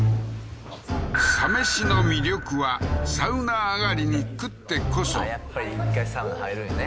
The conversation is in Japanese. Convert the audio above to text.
サ飯の魅力はサウナ上がりに食ってこそやっぱり一回サウナ入るんやね